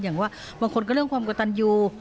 อย่างว่าบางคนก็เรื่องความกระตันยู